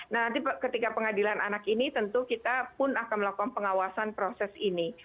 nah nanti ketika pengadilan anak ini tentu kita pun akan melakukan pengawasan proses ini